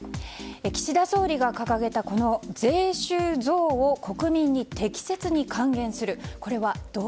岸田総理が掲げたこの税収増を国民に適切に還元する。